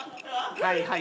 はいはい。